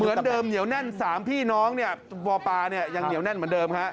เหมือนเดิมเหนียวแน่นสามพี่น้องปปยังเหนียวแน่นเหมือนเดิม